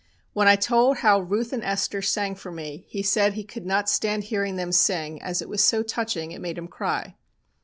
When I told how Ruth and Esther sang for me he said he could not stand hearing them sing, as it was so touching it made him cry.